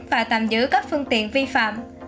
và tạm giữ các phương tiện vi phạm